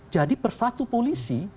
jadi per satu polisi